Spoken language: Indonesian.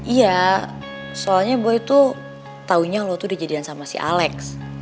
iya soalnya boy tuh taunya lo tuh di jadian sama si alec